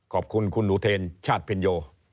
ขอบคุณคุณอุเทนชาติพินโย